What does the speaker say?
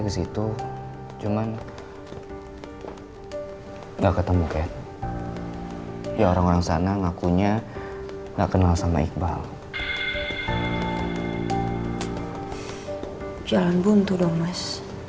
ke situ cuman enggak ketemu kayak ya orang orang sana ngakunya enggak kenal sama iqbal jalan buntu dong mas